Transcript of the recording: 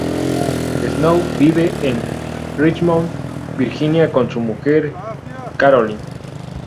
Snow vive en Richmond, Virginia con su mujer Carolyn.